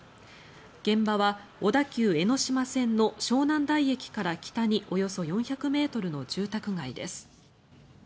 現場は小田急江ノ島線の湘南台駅から北におよそ４００ｍの住宅街です。